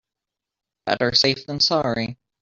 Better safe than sorry.